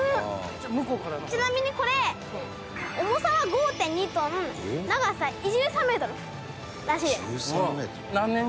ちなみにこれ重さは５．２トン長さ１３メートルらしいです。